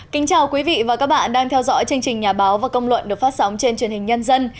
kính chào quý vị và các bạn đang theo dõi chương trình nhà báo và công luận được phát sóng trên truyền hình nhân dân